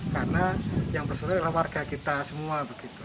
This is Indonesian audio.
karena yang bersangkutan adalah warga kita semua